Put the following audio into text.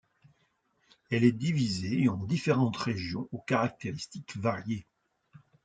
Elle est divisée en différentes régions aux caractéristiques variées.